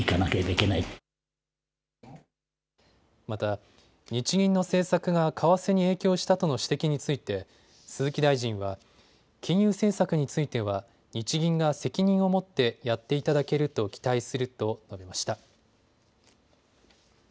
また日銀の政策が為替に影響したとの指摘について鈴木大臣は金融政策については日銀が責任を持ってやっていただけると期待すると述べました。